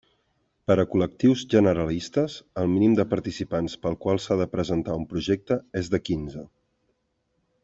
Per a col·lectius generalistes: el mínim de participants pel qual s'ha de presentar un projecte és de quinze.